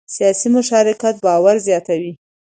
سیاسي مشارکت باور زیاتوي